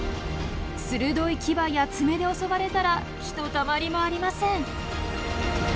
鋭い牙や爪で襲われたらひとたまりもありません。